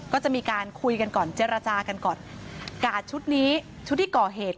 ก็จะมีการคุยกันก่อนเจรจากันก่อนกาดชุดนี้ชุดที่ก่อเหตุ